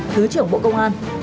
thứ trưởng bộ công an